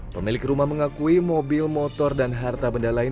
pemilik rumah mengakui mobil motor dan harta benda lain